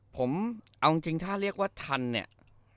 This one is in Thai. ผมเอาจริงถ้าเรียกว่าทันเนี่ย